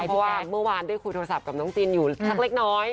เพราะว่าเมื่อวานได้คุยโทรศัพท์กับน้องจินอยู่สักเล็กน้อย